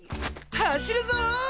走るぞ！